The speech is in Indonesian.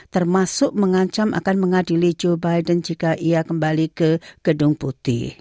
termasuk mengancam akan mengadili joe biden jika ia kembali ke gedung putih